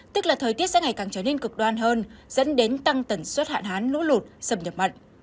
tức là thời tiết sẽ ngày càng trở nên cực đoan hơn dẫn đến tăng tần suất hạn hán lũ lụt xâm nhập mặn